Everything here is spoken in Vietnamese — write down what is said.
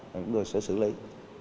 chúng tôi sẽ xử lý